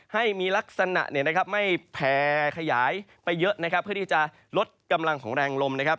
ให้มีลักษณะไม่แผ่ขยายไปเยอะเพื่อที่จะลดกำลังของแรงลม